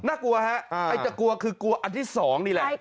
น่ากลัวฮะไอ้จะกลัวคือกลัวอันที่๒นี่แหละ